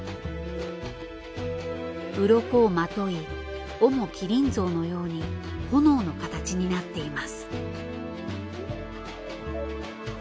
鱗をまとい尾も「麒麟像」のように炎の形になっています。